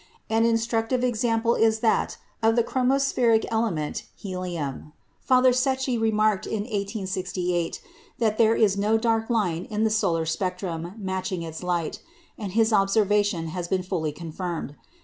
An instructive example is that of the chromospheric element helium. Father Secchi remarked in 1868 that there is no dark line in the solar spectrum matching its light; and his observation has been fully confirmed.